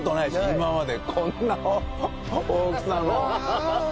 今までこんな大きさの。